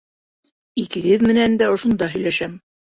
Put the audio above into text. Икегеҙ менән дә ошонда һөйләшәм.